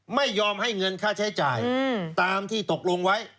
ไม่ยอมให้เงินค่าใช้จ่ายตามที่ตกลงไว้